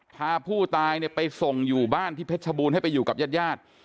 พาผู้ตายเนี่ยไปส่งอยู่บ้านที่เพชรบูรณ์ให้ไปอยู่กับญาติญาติ